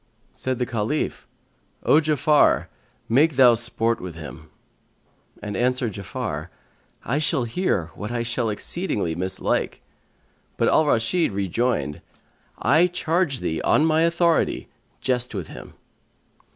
Said the Caliph, "O Ja'afar, make thou sport with him," and answered Ja'afar, "I shall hear what I shall exceedingly mislike."[FN#141] But Al Rashid rejoined, "I charge thee on my authority, jest with him."